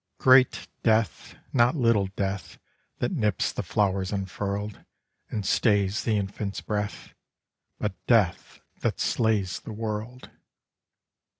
Great Death; not little death That nips the flowers unfurl'd And stays the infant's breath; But Death that slays the world.